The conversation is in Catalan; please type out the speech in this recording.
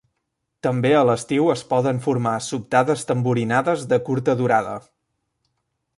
També a l'estiu es poden formar sobtades tamborinades de curta durada.